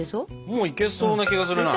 もういけそうな気がするな。